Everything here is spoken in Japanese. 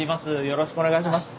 よろしくお願いします。